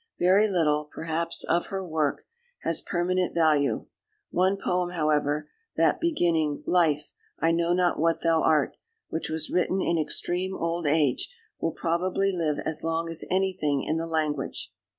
Very little, perhaps, of her work has permanent value; one poem, however, that beginning "Life! I know not what thou art," which was written in extreme old age, will probably live as long as anything in the language.